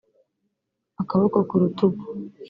akaboko ku rutugu